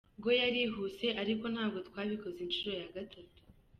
Bwo yarihuse ariko ntabwo twabikoze inshuro ya gatatu.